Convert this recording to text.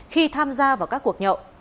khi tham gia vào các cuộc nhậu